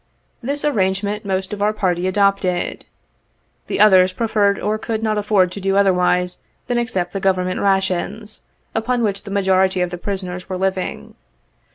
This ar rangement most of our party adopted. The others preferred or could not afford to do otherwise than accept the Gov ernment rations, upon which the majority of the prisoners were living.